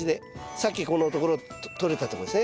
さっきこのところ取れたとこですね。